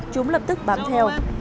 chúng lập tức bám theo